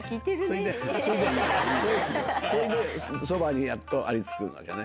それでそばにやっとありつくわけね。